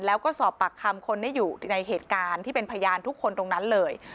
แล้วก็สอบปากคำคนที่อยู่ในเหตุการณ์ที่เป็นพยานทุกคนตรงนั้นเลย